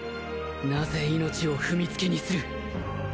なぜ命を踏みつけにする？